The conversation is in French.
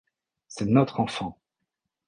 C’est notre enfant.